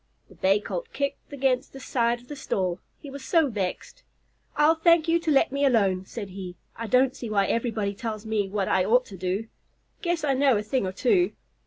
The Bay Colt kicked against the side of the stall, he was so vexed. "I'll thank you to let me alone," said he. "I don't see why everybody tells me what I ought to do. Guess I know a thing or two."